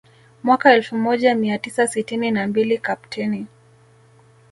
Mwaka elfu moja mia tisa sitini na mbili Kapteni